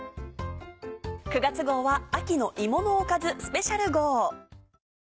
９月号は秋の芋のおかずスペシャル号。